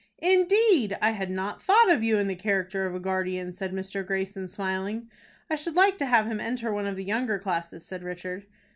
"Indeed! I had not thought of you in the character of a guardian," said Mr. Greyson, smiling. "I should like to have him enter one of the younger classes," said Richard.